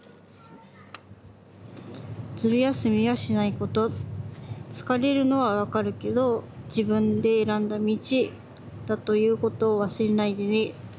「ずる休みはしない事つかれるのはわかるけど“自分で選んだ道”だという事を忘れないでね。